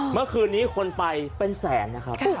เมื่อคืนนี้คนไปเป็นแสนนะครับ